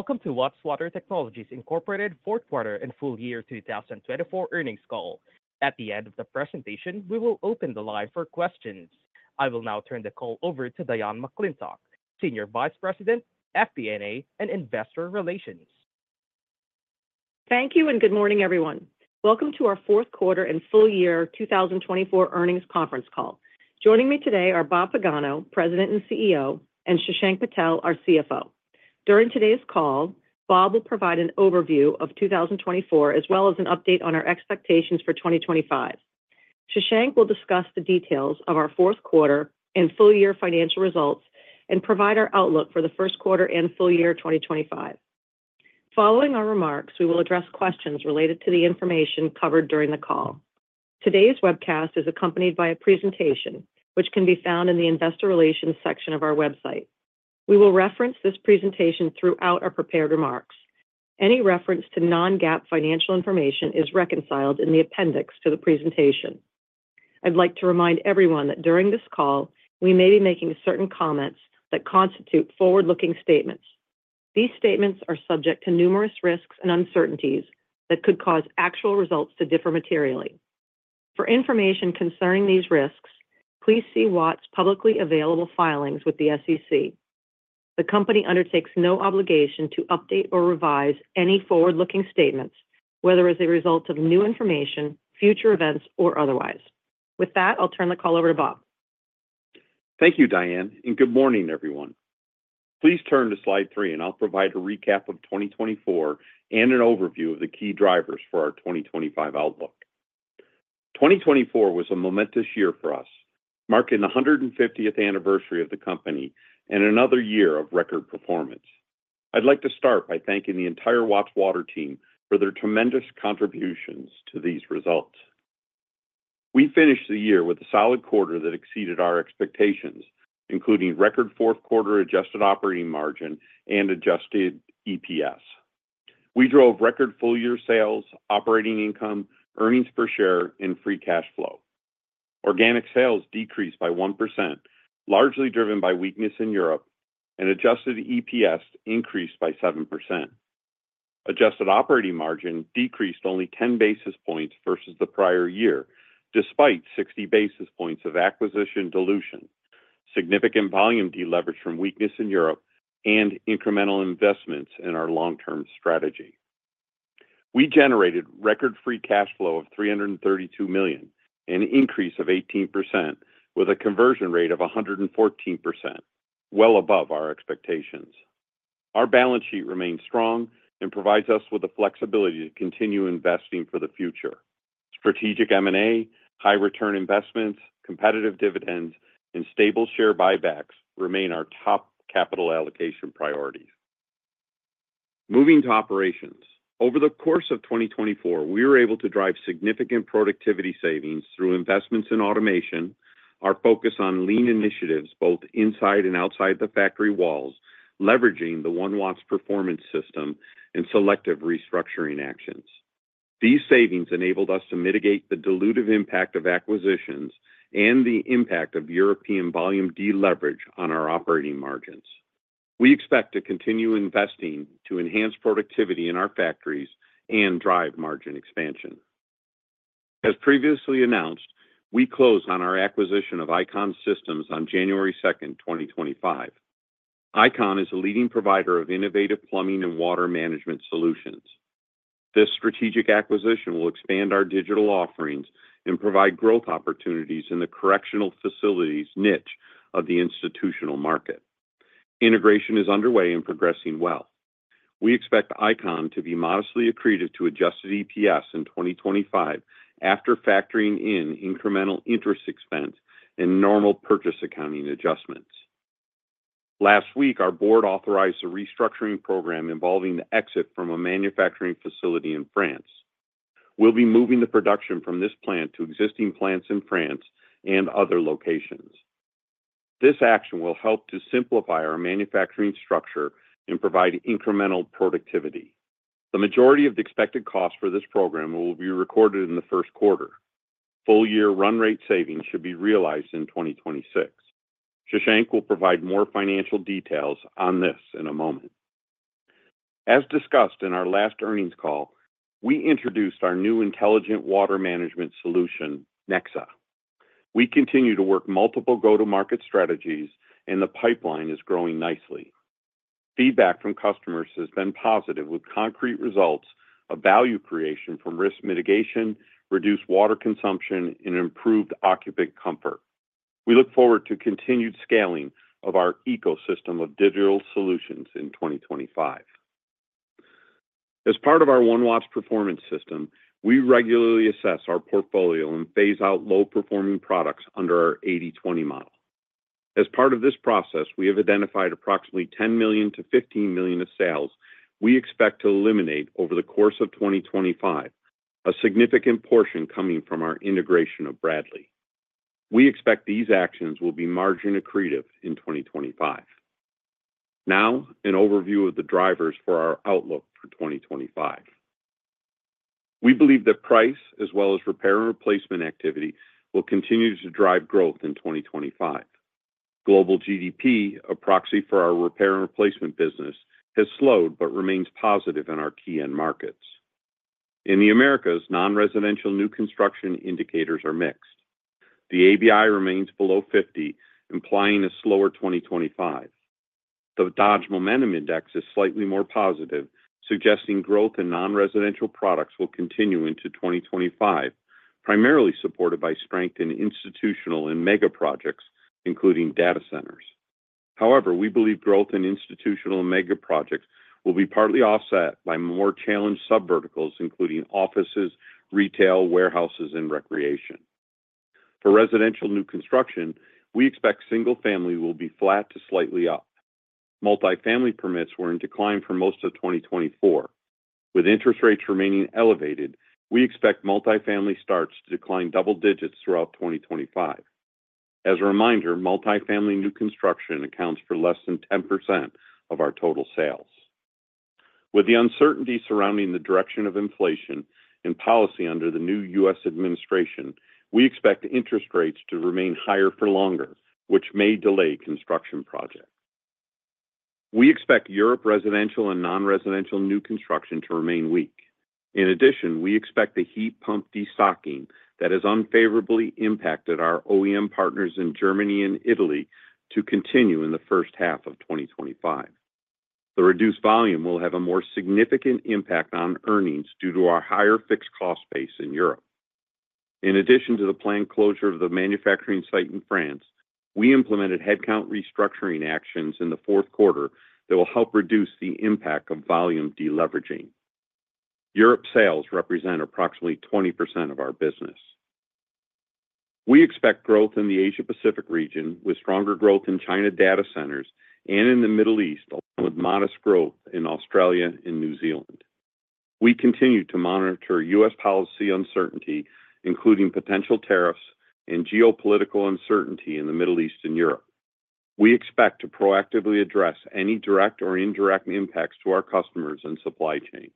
Welcome to Watts Water Technologies Incorporated's Fourth Quarter and Full Year 2024 Earnings Call. At the end of the presentation, we will open the line for questions. I will now turn the call over to Diane McClintock, Senior Vice President, FP&A, and Investor Relations. Thank you, and good morning, everyone. Welcome to our Fourth Quarter and Full Year 2024 Earnings Conference call. Joining me today are Bob Pagano, President and CEO, and Shashank Patel, our CFO. During today's call, Bob will provide an overview of 2024 as well as an update on our expectations for 2025. Shashank will discuss the details of our fourth quarter and full year financial results and provide our outlook for the first quarter and full year 2025. Following our remarks, we will address questions related to the information covered during the call. Today's webcast is accompanied by a presentation, which can be found in the Investor Relations section of our website. We will reference this presentation throughout our prepared remarks. Any reference to non-GAAP financial information is reconciled in the appendix to the presentation. I'd like to remind everyone that during this call, we may be making certain comments that constitute forward-looking statements. These statements are subject to numerous risks and uncertainties that could cause actual results to differ materially. For information concerning these risks, please see Watts' publicly available filings with the SEC. The company undertakes no obligation to update or revise any forward-looking statements, whether as a result of new information, future events, or otherwise. With that, I'll turn the call over to Bob. Thank you, Diane, and good morning, everyone. Please turn to slide three, and I'll provide a recap of 2024 and an overview of the key drivers for our 2025 outlook. 2024 was a momentous year for us, marking the 150th anniversary of the company and another year of record performance. I'd like to start by thanking the entire Watts Water team for their tremendous contributions to these results. We finished the year with a solid quarter that exceeded our expectations, including record fourth quarter adjusted operating margin and adjusted EPS. We drove record full year sales, operating income, earnings per share, and free cash flow. Organic sales decreased by 1%, largely driven by weakness in Europe, and adjusted EPS increased by 7%. Adjusted operating margin decreased only 10 basis points versus the prior year, despite 60 basis points of acquisition dilution, significant volume deleverage from weakness in Europe, and incremental investments in our long-term strategy. We generated record free cash flow of $332 million, an increase of 18%, with a conversion rate of 114%, well above our expectations. Our balance sheet remains strong and provides us with the flexibility to continue investing for the future. Strategic M&A, high return investments, competitive dividends, and stable share buybacks remain our top capital allocation priorities. Moving to operations, over the course of 2024, we were able to drive significant productivity savings through investments in automation, our focus on lean initiatives both inside and outside the factory walls, leveraging the One Watts Performance System and selective restructuring actions. These savings enabled us to mitigate the dilutive impact of acquisitions and the impact of European volume deleverage on our operating margins. We expect to continue investing to enhance productivity in our factories and drive margin expansion. As previously announced, we close on our acquisition of I-CON Systems on January 2, 2025. I-CON Systems is a leading provider of innovative plumbing and water management solutions. This strategic acquisition will expand our digital offerings and provide growth opportunities in the correctional facilities niche of the institutional market. Integration is underway and progressing well. We expect I-CON Systems to be modestly accretive to adjusted EPS in 2025 after factoring in incremental interest expense and normal purchase accounting adjustments. Last week, our board authorized a restructuring program involving the exit from a manufacturing facility in France. We'll be moving the production from this plant to existing plants in France and other locations. This action will help to simplify our manufacturing structure and provide incremental productivity. The majority of the expected costs for this program will be recorded in the first quarter. Full year run rate savings should be realized in 2026. Shashank will provide more financial details on this in a moment. As discussed in our last earnings call, we introduced our new intelligent water management solution, Nexa. We continue to work multiple go-to-market strategies, and the pipeline is growing nicely. Feedback from customers has been positive, with concrete results of value creation from risk mitigation, reduced water consumption, and improved occupant comfort. We look forward to continued scaling of our ecosystem of digital solutions in 2025. As part of our One Watts Performance System, we regularly assess our portfolio and phase out low-performing products under our 80/20 model. As part of this process, we have identified approximately $10 million-$15 million of sales we expect to eliminate over the course of 2025, a significant portion coming from our integration of Bradley. We expect these actions will be margin accretive in 2025. Now, an overview of the drivers for our outlook for 2025. We believe that price, as well as repair and replacement activity, will continue to drive growth in 2025. Global GDP, a proxy for our repair and replacement business, has slowed but remains positive in our key end markets. In the Americas, non-residential new construction indicators are mixed. The ABI remains below 50, implying a slower 2025. The Dodge Momentum Index is slightly more positive, suggesting growth in non-residential products will continue into 2025, primarily supported by strength in institutional and megaprojects, including data centers. However, we believe growth in institutional and megaprojects will be partly offset by more challenged sub-verticals, including offices, retail, warehouses, and recreation. For residential new construction, we expect single-family will be flat to slightly up. Multi-family permits were in decline for most of 2024. With interest rates remaining elevated, we expect multi-family starts to decline double digits throughout 2025. As a reminder, multi-family new construction accounts for less than 10% of our total sales. With the uncertainty surrounding the direction of inflation and policy under the new U.S. administration, we expect interest rates to remain higher for longer, which may delay construction projects. We expect Europe's residential and non-residential new construction to remain weak. In addition, we expect the heat pump destocking that has unfavorably impacted our OEM partners in Germany and Italy to continue in the first half of 2025. The reduced volume will have a more significant impact on earnings due to our higher fixed cost base in Europe. In addition to the planned closure of the manufacturing site in France, we implemented headcount restructuring actions in the fourth quarter that will help reduce the impact of volume deleveraging. Europe's sales represent approximately 20% of our business. We expect growth in the Asia-Pacific region, with stronger growth in China data centers and in the Middle East, along with modest growth in Australia and New Zealand. We continue to monitor U.S. policy uncertainty, including potential tariffs and geopolitical uncertainty in the Middle East and Europe. We expect to proactively address any direct or indirect impacts to our customers and supply chain.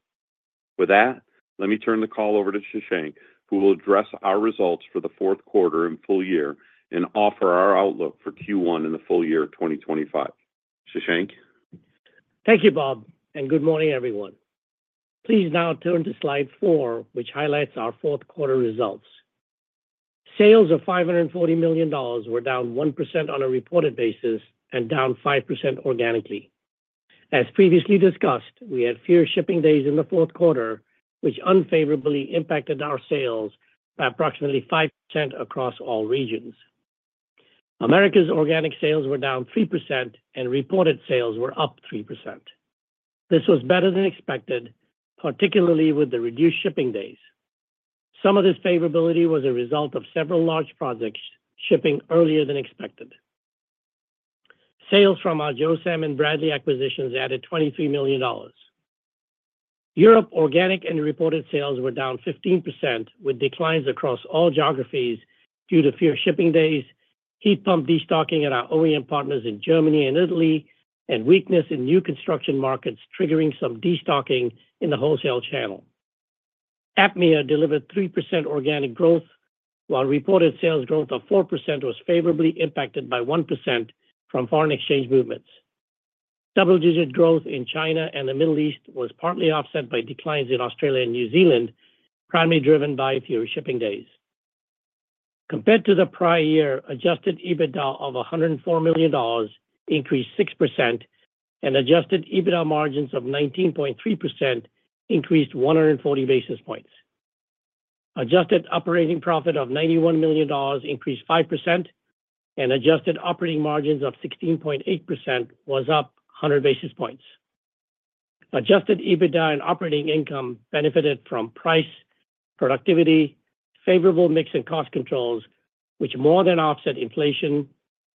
With that, let me turn the call over to Shashank, who will address our results for the fourth quarter and full year and offer our outlook for Q1 in the full year of 2025. Shashank. Thank you, Bob, and good morning, everyone. Please now turn to slide four, which highlights our fourth quarter results. Sales of $540 million were down 1% on a reported basis and down 5% organically. As previously discussed, we had fewer shipping days in the fourth quarter, which unfavorably impacted our sales by approximately 5% across all regions. Americas organic sales were down 3%, and reported sales were up 3%. This was better than expected, particularly with the reduced shipping days. Some of this favorability was a result of several large projects shipping earlier than expected. Sales from our Josam and Bradley acquisitions added $23 million. Europe's organic and reported sales were down 15%, with declines across all geographies due to fewer shipping days, heat pump destocking at our OEM partners in Germany and Italy, and weakness in new construction markets triggering some destocking in the wholesale channel. APMEA delivered 3% organic growth, while reported sales growth of 4% was favorably impacted by 1% from foreign exchange movements. Double-digit growth in China and the Middle East was partly offset by declines in Australia and New Zealand, primarily driven by fewer shipping days. Compared to the prior year, adjusted EBITDA of $104 million increased 6%, and adjusted EBITDA margins of 19.3% increased 140 basis points. Adjusted operating profit of $91 million increased 5%, and adjusted operating margins of 16.8% was up 100 basis points. Adjusted EBITDA and operating income benefited from price, productivity, favorable mix and cost controls, which more than offset inflation,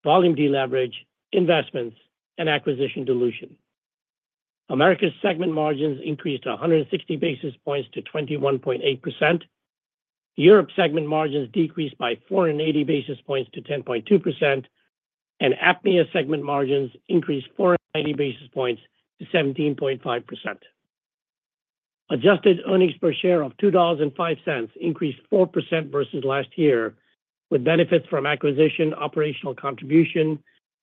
volume deleverage, investments, and acquisition dilution. Americas' segment margins increased 160 basis points to 21.8%. Europe's segment margins decreased by 480 basis points to 10.2%, and APMEA's segment margins increased 490 basis points to 17.5%. Adjusted earnings per share of $2.05 increased 4% versus last year, with benefits from acquisition, operational contribution,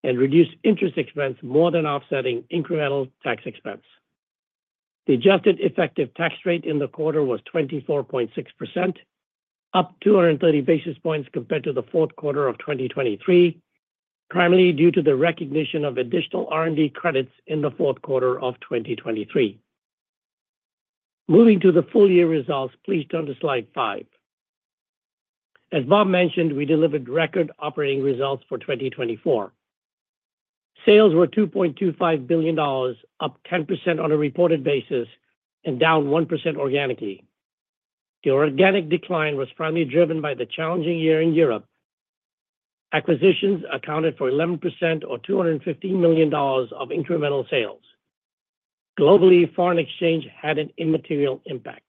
and reduced interest expense more than offsetting incremental tax expense. The adjusted effective tax rate in the quarter was 24.6%, up 230 basis points compared to the fourth quarter of 2023, primarily due to the recognition of additional R&D credits in the fourth quarter of 2023. Moving to the full year results, please turn to slide five. As Bob mentioned, we delivered record operating results for 2024. Sales were $2.25 billion, up 10% on a reported basis and down 1% organically. The organic decline was primarily driven by the challenging year in Europe. Acquisitions accounted for 11% or $215 million of incremental sales. Globally, foreign exchange had an immaterial impact.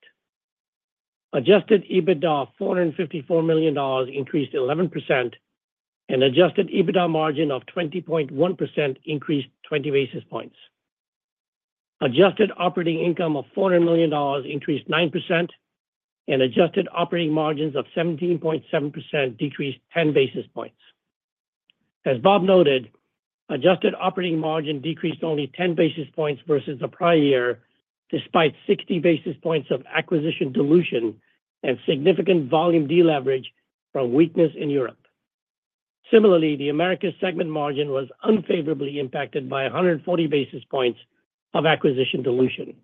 Adjusted EBITDA of $454 million increased 11%, and adjusted EBITDA margin of 20.1% increased 20 basis points. Adjusted operating income of $400 million increased 9%, and adjusted operating margins of 17.7% decreased 10 basis points. As Bob noted, adjusted operating margin decreased only 10 basis points versus the prior year, despite 60 basis points of acquisition dilution and significant volume deleverage from weakness in Europe. Similarly, the Americas segment margin was unfavorably impacted by 140 basis points of acquisition dilution.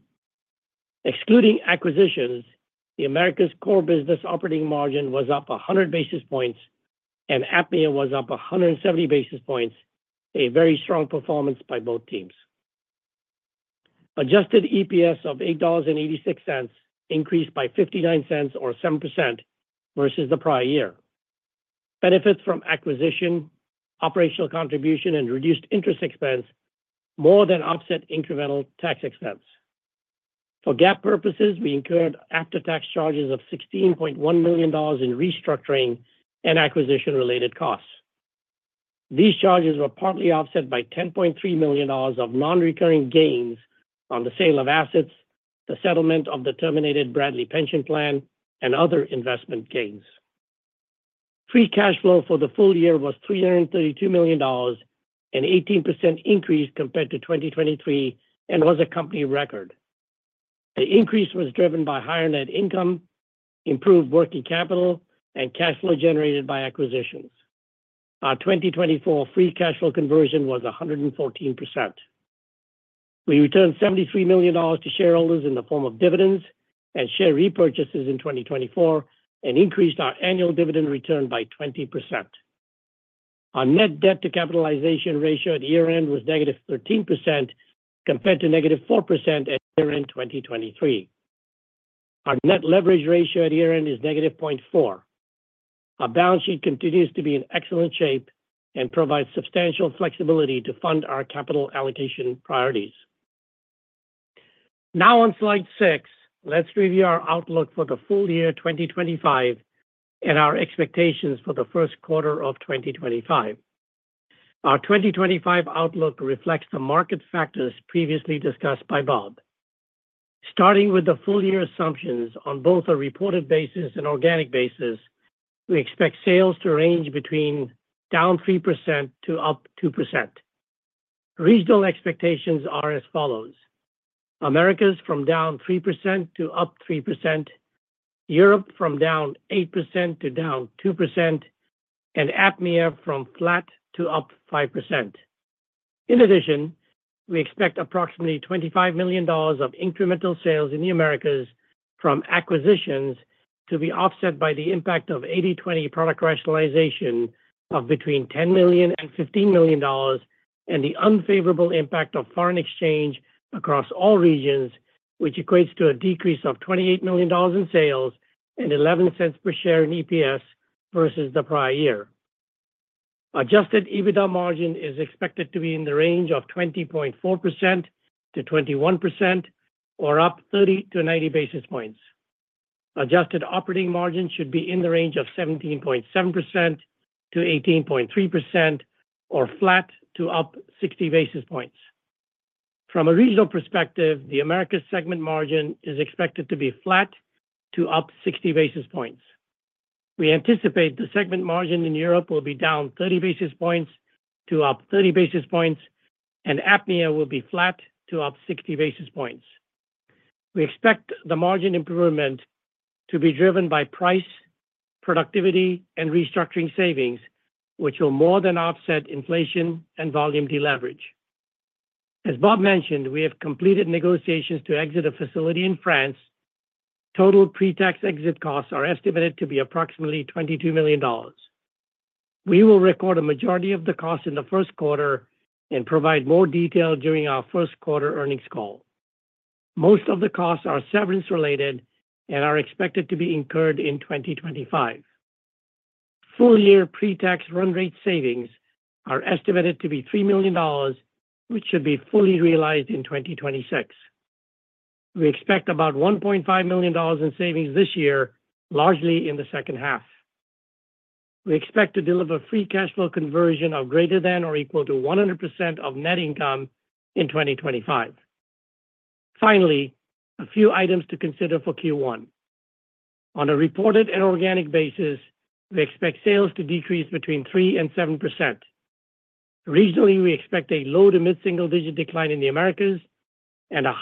Excluding acquisitions, the Americas core business operating margin was up 100 basis points, and APMEA was up 170 basis points, a very strong performance by both teams. Adjusted EPS of $8.86 increased by $0.59 or 7% versus the prior year. Benefits from acquisition, operational contribution, and reduced interest expense more than offset incremental tax expense. For GAAP purposes, we incurred after-tax charges of $16.1 million in restructuring and acquisition-related costs. These charges were partly offset by $10.3 million of non-recurring gains on the sale of assets, the settlement of the terminated Bradley pension plan, and other investment gains. Free cash flow for the full year was $332 million, an 18% increase compared to 2023, and was a company record. The increase was driven by higher net income, improved working capital, and cash flow generated by acquisitions. Our 2024 free cash flow conversion was 114%. We returned $73 million to shareholders in the form of dividends and share repurchases in 2024 and increased our annual dividend return by 20%. Our net debt-to-capitalization ratio at year-end was negative 13% compared to negative 4% at year-end 2023. Our net leverage ratio at year-end is negative 0.4. Our balance sheet continues to be in excellent shape and provides substantial flexibility to fund our capital allocation priorities. Now, on slide six, let's review our outlook for the full year 2025 and our expectations for the first quarter of 2025. Our 2025 outlook reflects the market factors previously discussed by Bob. Starting with the full year assumptions on both a reported basis and organic basis, we expect sales to range between down 3% to up 2%. Regional expectations are as follows: Americas from down 3% to up 3%, Europe from down 8% to down 2%, and APMEA from flat to up 5%. In addition, we expect approximately $25 million of incremental sales in the Americas from acquisitions to be offset by the impact of 80/20 product rationalization of between $10 million and $15 million, and the unfavorable impact of foreign exchange across all regions, which equates to a decrease of $28 million in sales and $0.11 per share in EPS versus the prior year. Adjusted EBITDA margin is expected to be in the range of 20.4%-21% or up 30-90 basis points. Adjusted operating margin should be in the range of 17.7%-18.3% or flat to up 60 basis points. From a regional perspective, the Americas segment margin is expected to be flat to up 60 basis points. We anticipate the segment margin in Europe will be down 30 basis points to up 30 basis points, and APMEA will be flat to up 60 basis points. We expect the margin improvement to be driven by price, productivity, and restructuring savings, which will more than offset inflation and volume deleverage. As Bob mentioned, we have completed negotiations to exit a facility in France. Total pre-tax exit costs are estimated to be approximately $22 million. We will record a majority of the costs in the first quarter and provide more detail during our first quarter earnings call. Most of the costs are severance-related and are expected to be incurred in 2025. Full year pre-tax run rate savings are estimated to be $3 million, which should be fully realized in 2026. We expect about $1.5 million in savings this year, largely in the second half. We expect to deliver free cash flow conversion of greater than or equal to 100% of net income in 2025. Finally, a few items to consider for Q1. On a reported and organic basis, we expect sales to decrease between 3% and 7%. Regionally, we expect a low to mid-single digit decline in the Americas and a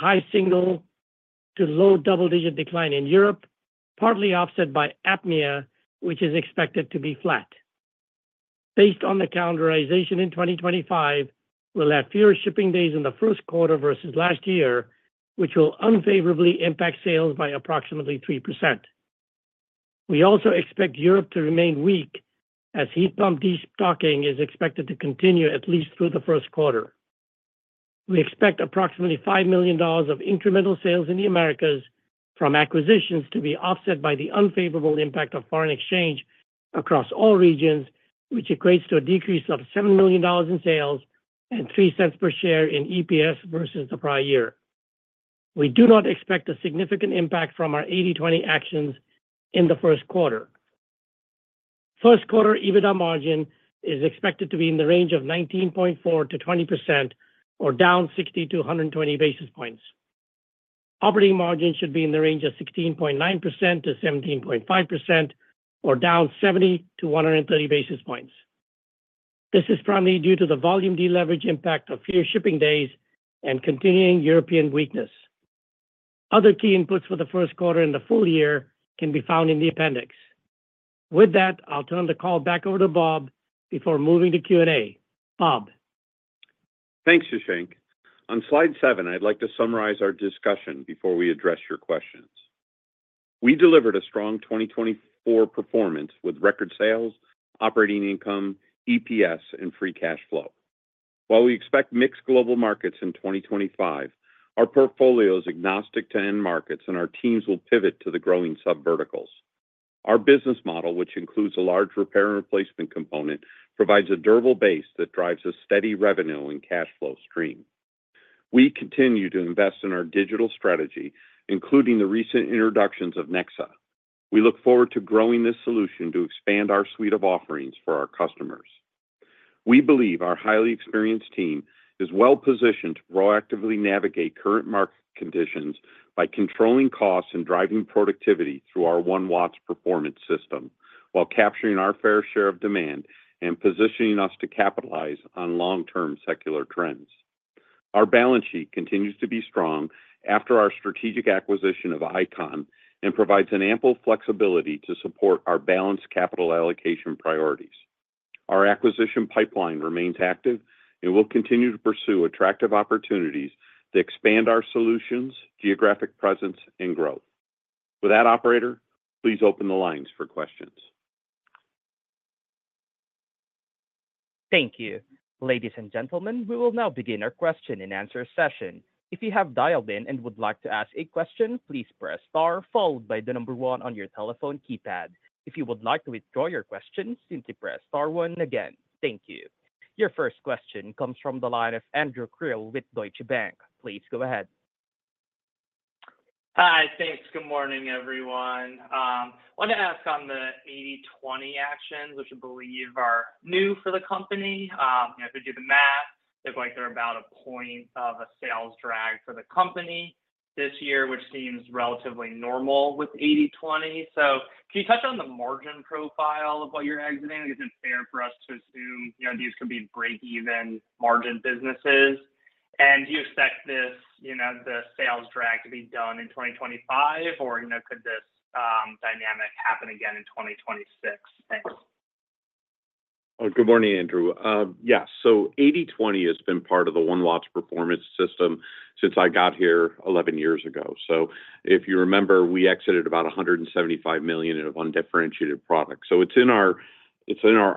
high single to low double-digit decline in Europe, partly offset by APMEA, which is expected to be flat. Based on the calendarization in 2025, we'll have fewer shipping days in the first quarter versus last year, which will unfavorably impact sales by approximately 3%. We also expect Europe to remain weak as heat pump destocking is expected to continue at least through the first quarter. We expect approximately $5 million of incremental sales in the Americas from acquisitions to be offset by the unfavorable impact of foreign exchange across all regions, which equates to a decrease of $7 million in sales and $0.03 per share in EPS versus the prior year. We do not expect a significant impact from our 80/20 actions in the first quarter. First quarter EBITDA margin is expected to be in the range of 19.4%-20% or down 60-120 basis points. Operating margin should be in the range of 16.9%-17.5% or down 70-130 basis points. This is primarily due to the volume deleverage impact of fewer shipping days and continuing European weakness. Other key inputs for the first quarter and the full year can be found in the appendix. With that, I'll turn the call back over to Bob before moving to Q&A. Bob. Thanks, Shashank. On slide seven, I'd like to summarize our discussion before we address your questions. We delivered a strong 2024 performance with record sales, operating income, EPS, and free cash flow. While we expect mixed global markets in 2025, our portfolio is agnostic to end markets, and our teams will pivot to the growing sub-verticals. Our business model, which includes a large repair and replacement component, provides a durable base that drives a steady revenue and cash flow stream. We continue to invest in our digital strategy, including the recent introductions of Nexa. We look forward to growing this solution to expand our suite of offerings for our customers. We believe our highly experienced team is well-positioned to proactively navigate current market conditions by controlling costs and driving productivity through our One Watts Performance System, while capturing our fair share of demand and positioning us to capitalize on long-term secular trends. Our balance sheet continues to be strong after our strategic acquisition of I-CON and provides an ample flexibility to support our balanced capital allocation priorities. Our acquisition pipeline remains active, and we'll continue to pursue attractive opportunities to expand our solutions, geographic presence, and growth. With that, operator, please open the lines for questions. Thank you. Ladies and gentlemen, we will now begin our question and answer session. If you have dialed in and would like to ask a question, please press star followed by the number one on your telephone keypad. If you would like to withdraw your question, simply press star one again. Thank you. Your first question comes from the line of Andrew Krill with Deutsche Bank. Please go ahead. Hi, thanks. Good morning, everyone. I want to ask on the 80/20 actions, which I believe are new for the company. If you do the math, it looks like they're about a point of a sales drag for the company this year, which seems relatively normal with 80/20. So can you touch on the margin profile of what you're exiting? Is it fair for us to assume these could be break-even margin businesses? And do you expect the sales drag to be done in 2025, or could this dynamic happen again in 2026? Thanks. Good morning, Andrew. Yeah, so 80/20 has been part of the One Watts Performance System since I got here 11 years ago. So if you remember, we exited about $175 million of undifferentiated products. So it's in our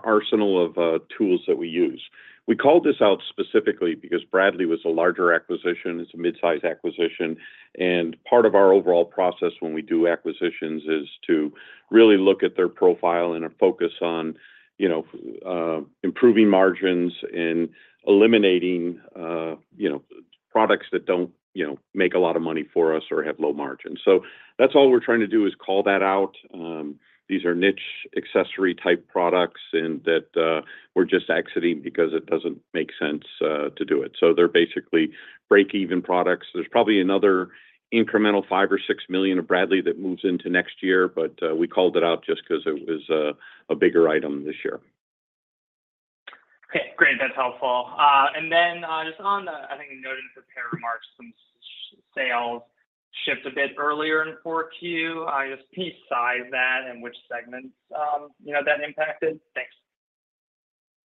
arsenal of tools that we use. We called this out specifically because Bradley was a larger acquisition. It's a mid-size acquisition. And part of our overall process when we do acquisitions is to really look at their profile and focus on improving margins and eliminating products that don't make a lot of money for us or have low margins. So that's all we're trying to do is call that out. These are niche accessory-type products that we're just exiting because it doesn't make sense to do it. So they're basically break-even products. There's probably another incremental $5 million-$6 million of Bradley that moves into next year, but we called it out just because it was a bigger item this year. Okay, great. That's helpful. And then just on the, I think, noted in the prepared remarks, some sales shift a bit earlier in Q4. Just can you size that and which segments that impacted? Thanks.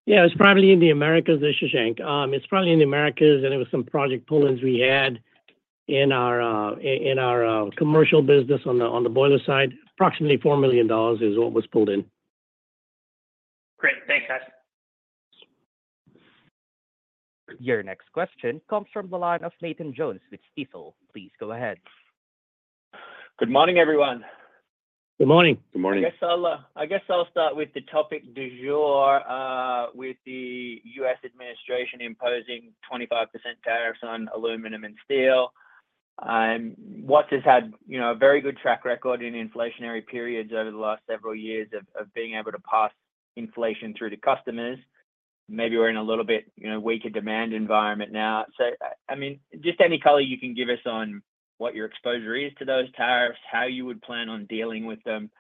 Yeah, it was primarily in the Americas, Shashank. It's primarily in the Americas, and it was some project pullings we had in our commercial business on the boiler side. Approximately $4 million is what was pulled in. Great. Thanks, guys. Your next question comes from the line of Nathan Jones with Stifel. Please go ahead. Good morning, everyone. Good morning. Good morning. I guess I'll start with the topic du jour with the U.S. administration imposing 25% tariffs on aluminum and steel. Watts has had a very good track record in inflationary periods over the last several years of being able to pass inflation through to customers. Maybe we're in a little bit weaker demand environment now. So I mean, just any color you can give us on what your exposure is to those tariffs, how you would plan on dealing with them,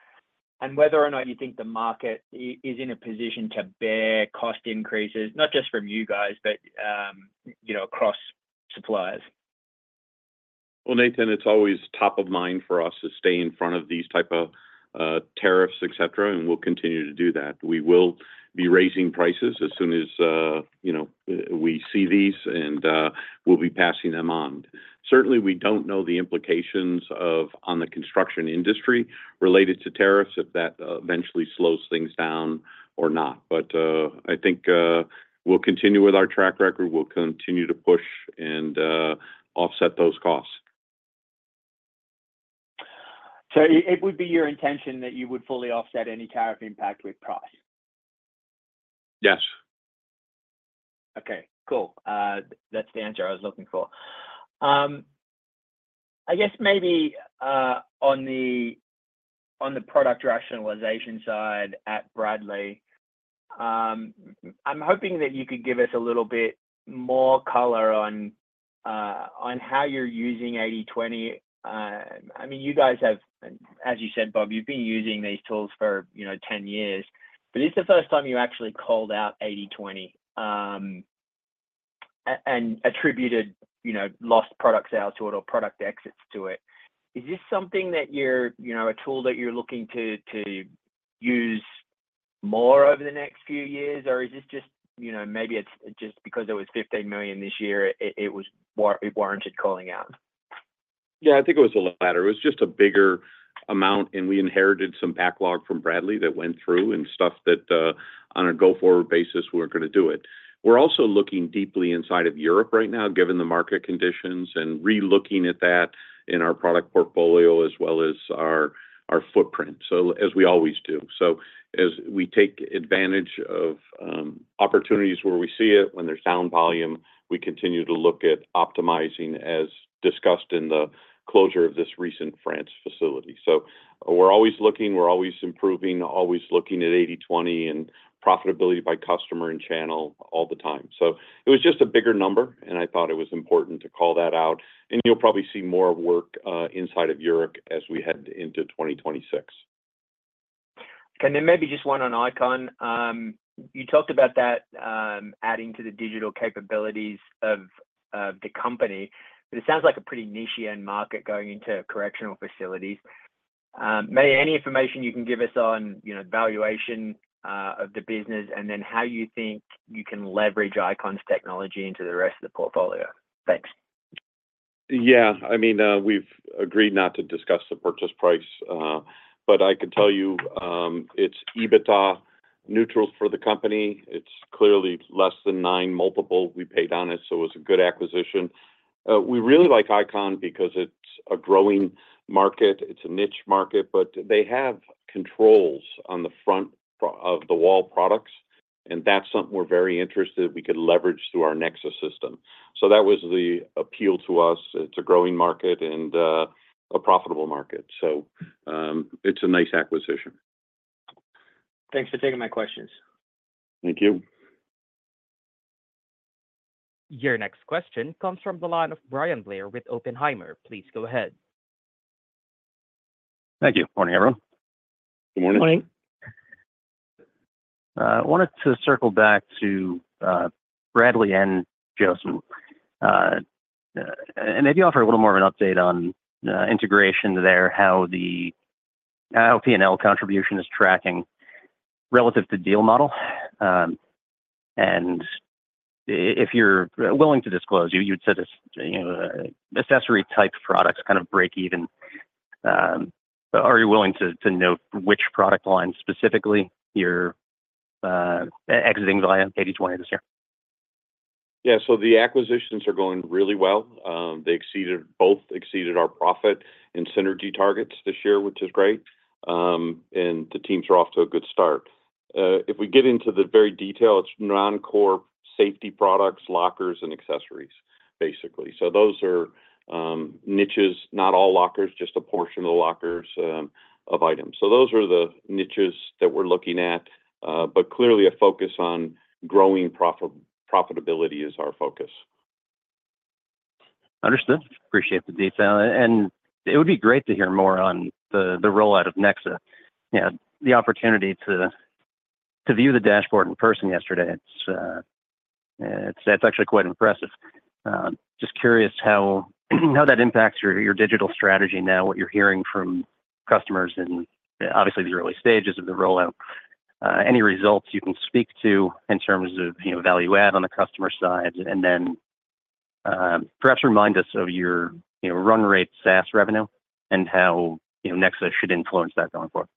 and whether or not you think the market is in a position to bear cost increases, not just from you guys, but across suppliers. Nathan, it's always top of mind for us to stay in front of these types of tariffs, etc., and we'll continue to do that. We will be raising prices as soon as we see these, and we'll be passing them on. Certainly, we don't know the implications on the construction industry related to tariffs, if that eventually slows things down or not. But I think we'll continue with our track record. We'll continue to push and offset those costs. It would be your intention that you would fully offset any tariff impact with price? Yes. Okay, cool. That's the answer I was looking for. I guess maybe on the product rationalization side at Bradley, I'm hoping that you could give us a little bit more color on how you're using 80/20. I mean, you guys have, as you said, Bob, you've been using these tools for 10 years, but it's the first time you actually called out 80/20 and attributed lost product sales to it or product exits to it. Is this a tool that you're looking to use more over the next few years, or is this just maybe it's just because it was $15 million this year, it was warranted calling out? Yeah, I think it was the latter. It was just a bigger amount, and we inherited some backlog from Bradley that went through and stuff that on a go-forward basis, we're going to do it. We're also looking deeply inside of Europe right now, given the market conditions, and relooking at that in our product portfolio as well as our footprint, as we always do. So as we take advantage of opportunities where we see it, when there's down volume, we continue to look at optimizing, as discussed in the closure of this recent France facility. So we're always looking, we're always improving, always looking at 80/20 and profitability by customer and channel all the time. So it was just a bigger number, and I thought it was important to call that out. And you'll probably see more work inside of Europe as we head into 2026. And then maybe just one on I-CON. You talked about that adding to the digital capabilities of the company, but it sounds like a pretty niche-end market going into correctional facilities. Any information you can give us on valuation of the business and then how you think you can leverage I-CON's technology into the rest of the portfolio? Thanks. Yeah. I mean, we've agreed not to discuss the purchase price, but I can tell you it's EBITDA neutral for the company. It's clearly less than nine multiple. We paid on it, so it was a good acquisition. We really like I-CON because it's a growing market. It's a niche market, but they have controls on the front of the wall products, and that's something we're very interested we could leverage through our Nexa system. So that was the appeal to us. It's a growing market and a profitable market. So it's a nice acquisition. Thanks for taking my questions. Thank you. Your next question comes from the line of Bryan Blair with Oppenheimer. Please go ahead. Thank you. Good morning, everyone. Good morning. Good morning. I wanted to circle back to Bradley and Josam, and maybe offer a little more of an update on integration there, how the P&L contribution is tracking relative to deal model, and if you're willing to disclose, you would say this accessory-type products kind of break even, but are you willing to note which product line specifically you're exiting via 80/20 this year? Yeah, so the acquisitions are going really well. They both exceeded our profit and synergy targets this year, which is great, and the teams are off to a good start. If we get into the very detail, it's non-core safety products, lockers, and accessories, basically, so those are niches, not all lockers, just a portion of the lockers of items. Those are the niches that we're looking at, but clearly, a focus on growing profitability is our focus. Understood. Appreciate the detail, and it would be great to hear more on the rollout of Nexa, the opportunity to view the dashboard in person yesterday. That's actually quite impressive. Just curious how that impacts your digital strategy now, what you're hearing from customers in, obviously, the early stages of the rollout. Any results you can speak to in terms of value-add on the customer side and then perhaps remind us of your run rate SaaS revenue and how Nexa should influence that going forward?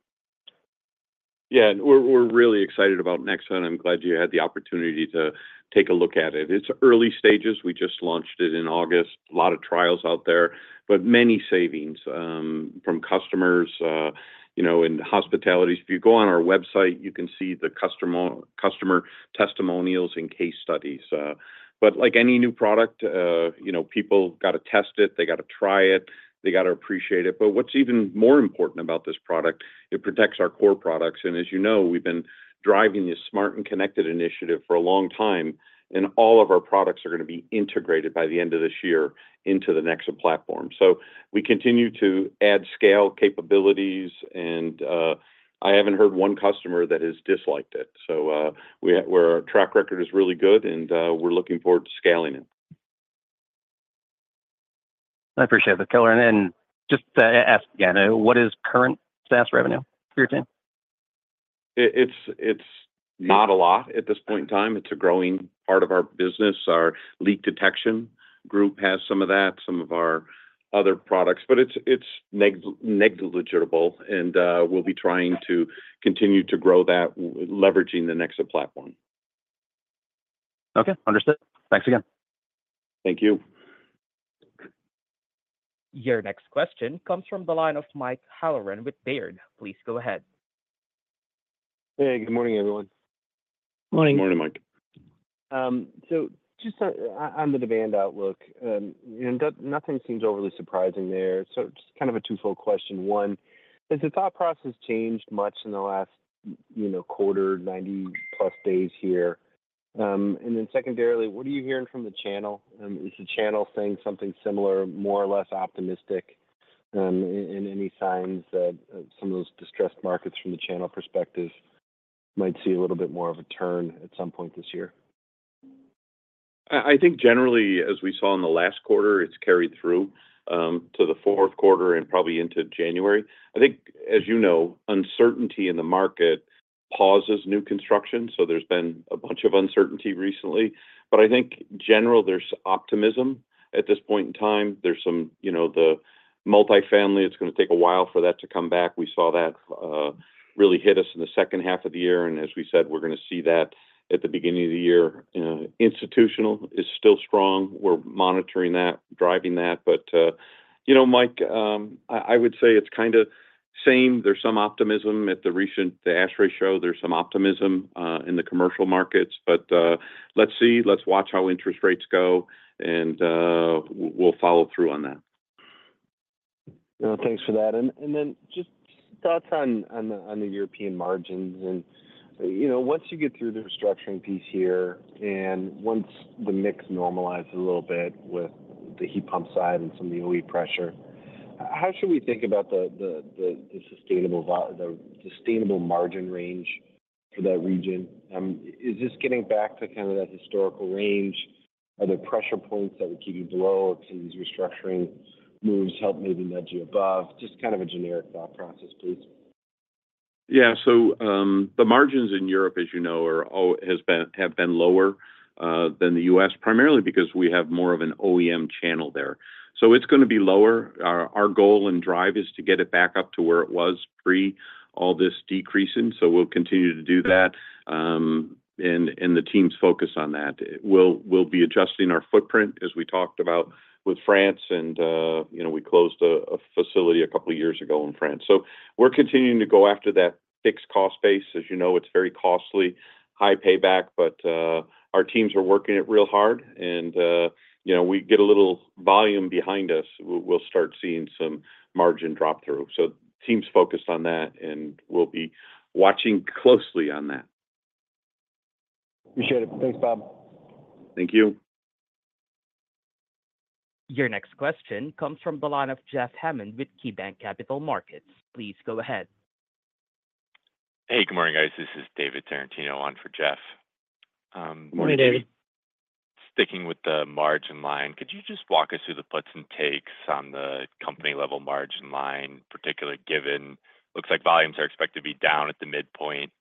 Yeah. We're really excited about Nexa, and I'm glad you had the opportunity to take a look at it. It's early stages. We just launched it in August. A lot of trials out there, but many savings from customers and hospitality. If you go on our website, you can see the customer testimonials and case studies. But like any new product, people got to test it. They got to try it. They got to appreciate it. But what's even more important about this product, it protects our core products. And as you know, we've been driving this Smart & Connected initiative for a long time, and all of our products are going to be integrated by the end of this year into the Nexa platform. So we continue to add scale capabilities, and I haven't heard one customer that has disliked it. Our track record is really good, and we're looking forward to scaling it. I appreciate that, Keller. And just to ask again, what is current SaaS revenue for your team? It's not a lot at this point in time. It's a growing part of our business. Our leak detection group has some of that, some of our other products, but it's negligible. And we'll be trying to continue to grow that, leveraging the Nexa platform. Okay. Understood. Thanks again. Thank you. Your next question comes from the line of Mike Halloran with Baird. Please go ahead. Hey, good morning, everyone. Morning. Good morning, Mike. So just on the demand outlook, nothing seems overly surprising there. So just kind of a twofold question. One, has the thought process changed much in the last quarter, 90-plus days here? And then secondarily, what are you hearing from the channel? Is the channel saying something similar, more or less optimistic, and any signs that some of those distressed markets from the channel perspective might see a little bit more of a turn at some point this year? I think generally, as we saw in the last quarter, it's carried through to the fourth quarter and probably into January. I think, as you know, uncertainty in the market pauses new construction. So there's been a bunch of uncertainty recently. But I think generally, there's optimism at this point in time. There's some multifamily. It's going to take a while for that to come back. We saw that really hit us in the second half of the year, and as we said, we're going to see that at the beginning of the year. Institutional is still strong. We're monitoring that, driving that, but Mike, I would say it's kind of same. There's some optimism at the recent ASHRAE show. There's some optimism in the commercial markets. But let's see. Let's watch how interest rates go, and we'll follow through on that. Thanks for that. And then just thoughts on the European margins. And once you get through the restructuring piece here and once the mix normalizes a little bit with the heat pump side and some of the OE pressure, how should we think about the sustainable margin range for that region? Is this getting back to kind of that historical range? Are there pressure points that would keep you below or could these restructuring moves help maybe nudge you above? Just kind of a generic thought process, please. Yeah. So the margins in Europe, as you know, have been lower than the U.S., primarily because we have more of an OEM channel there. So it's going to be lower. Our goal and drive is to get it back up to where it was pre all this decreasing. So we'll continue to do that. And the team's focus on that. We'll be adjusting our footprint, as we talked about with France. And we closed a facility a couple of years ago in France. So we're continuing to go after that fixed cost base. As you know, it's very costly, high payback, but our teams are working it real hard. And we get a little volume behind us, we'll start seeing some margin drop through. So team's focused on that, and we'll be watching closely on that. Appreciate it. Thanks, Bob. Thank you. Your next question comes from the line of Jeff Hammond with KeyBanc Capital Markets. Please go ahead. Hey, good morning, guys. This is David Tarantino on for Jeff. Morning, David. Sticking with the margin line, could you just walk us through the puts and takes on the company-level margin line, particularly given it looks like volumes are expected to be down at the midpoint?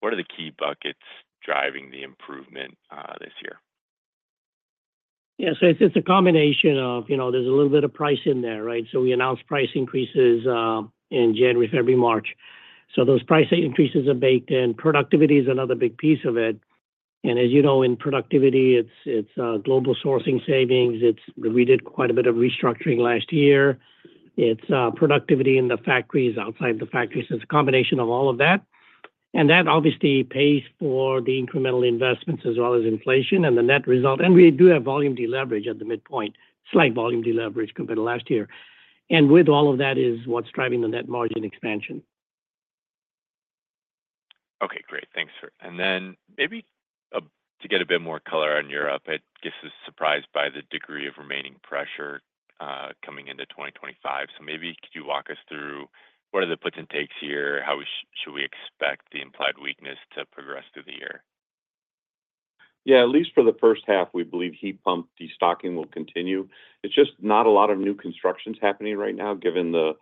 What are the key buckets driving the improvement this year? Yeah. So it's a combination of there's a little bit of price in there, right? So we announced price increases in January, February, March. So those price increases are baked in. Productivity is another big piece of it. And as you know, in productivity, it's global sourcing savings. We did quite a bit of restructuring last year. It's productivity in the factories, outside the factories. It's a combination of all of that. And that obviously pays for the incremental investments as well as inflation and the net result. And we do have volume deleverage at the midpoint, slight volume deleverage compared to last year. And with all of that is what's driving the net margin expansion. Okay. Great. Thanks. And then maybe to get a bit more color on Europe, I guess I'm surprised by the degree of remaining pressure coming into 2025. So maybe could you walk us through what are the puts and takes here? How should we expect the implied weakness to progress through the year? Yeah. At least for the first half, we believe heat pump destocking will continue. It's just not a lot of new constructions happening right now, given the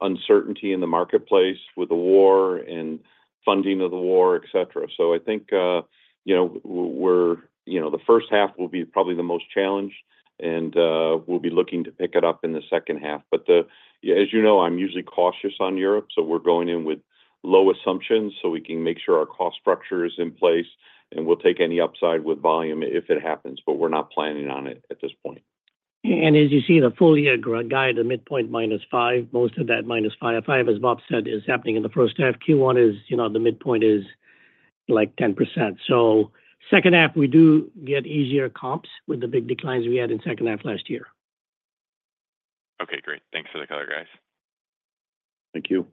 uncertainty in the marketplace with the war and funding of the war, etc. So I think we're the first half will be probably the most challenged, and we'll be looking to pick it up in the second half. But as you know, I'm usually cautious on Europe. So we're going in with low assumptions so we can make sure our cost structure is in place, and we'll take any upside with volume if it happens, but we're not planning on it at this point. As you see the full year guide, the midpoint -5%. Most of that -5, 5 as Bob said, is happening in the first half. Q1, the midpoint is like 10%. Second half, we do get easier comps with the big declines we had in second half last year. Okay. Great. Thanks for the color, guys. Thank you.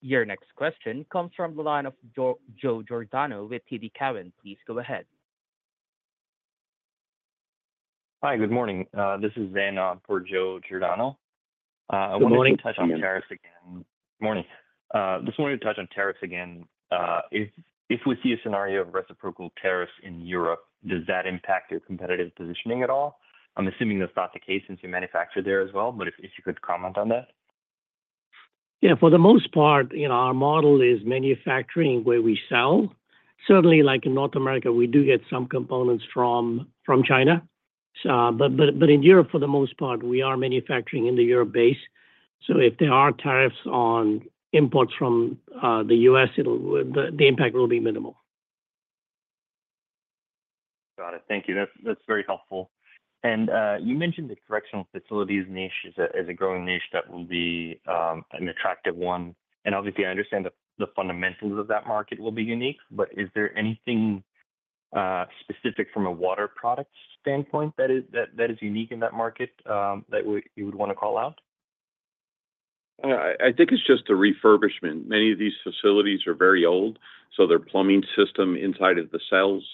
Your next question comes from the line of Joe Giordano with TD Cowen. Please go ahead. Hi. Good morning. This is Zeinab for Joe Giordano. We're going to touch on tariffs again. If we see a scenario of reciprocal tariffs in Europe, does that impact your competitive positioning at all? I'm assuming that's not the case since you manufacture there as well, but if you could comment on that. Yeah. For the most part, our model is manufacturing where we sell. Certainly, like in North America, we do get some components from China. But in Europe, for the most part, we are manufacturing in the European base. So if there are tariffs on imports from the U.S., the impact will be minimal. Got it. Thank you. That's very helpful. And you mentioned the correctional facilities niche is a growing niche that will be an attractive one. And obviously, I understand that the fundamentals of that market will be unique, but is there anything specific from a water products standpoint that is unique in that market that you would want to call out? I think it's just the refurbishment. Many of these facilities are very old, so their plumbing system inside of the cells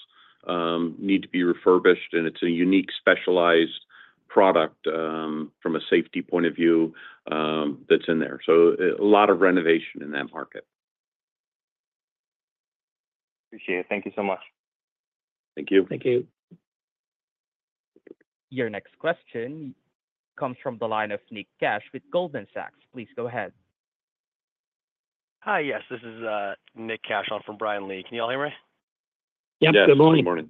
need to be refurbished, and it's a unique specialized product from a safety point of view that's in there. So a lot of renovation in that market. Appreciate it. Thank you so much. Thank you. Thank you. Your next question comes from the line of Nick Katsch with Goldman Sachs. Please go ahead. Hi. Yes. This is Nick Katsch on for Brian Lee. Can you all hear me? Yep. Good morning. Good morning.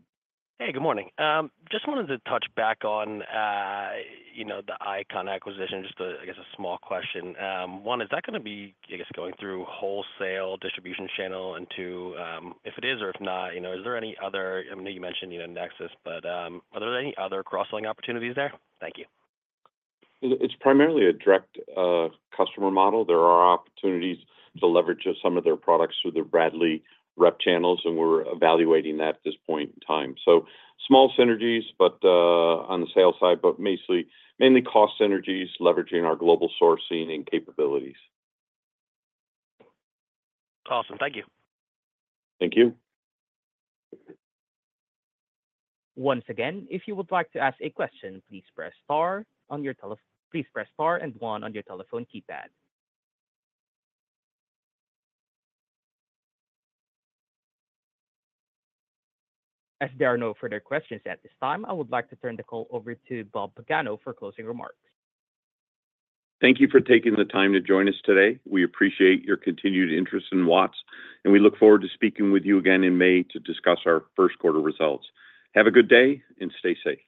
Hey, good morning. Just wanted to touch back on the I-CON acquisition. Just, I guess, a small question. One, is that going to be, I guess, going through wholesale distribution channel? And two, if it is or if not, is there any other—I know you mentioned Nexa, but are there any other cross-selling opportunities there? Thank you. It's primarily a direct customer model. There are opportunities to leverage some of their products through the Bradley rep channels, and we're evaluating that at this point in time. So small synergies, but on the sales side, but mainly cost synergies, leveraging our global sourcing and capabilities. Awesome. Thank you. Thank you. Once again, if you would like to ask a question, please press star and one on your telephone keypad. As there are no further questions at this time, I would like to turn the call over to Bob Pagano for closing remarks. Thank you for taking the time to join us today. We appreciate your continued interest in Watts, and we look forward to speaking with you again in May to discuss our first quarter results. Have a good day and stay safe.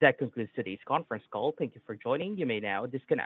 That concludes today's conference call. Thank you for joining. You may now disconnect.